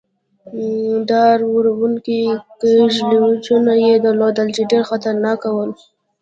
ډار و ر و نکي کږلېچونه يې درلودل، چې ډېر خطرناک ول.